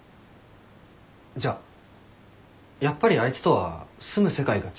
じゃあやっぱりあいつとは住む世界が違うってことだな。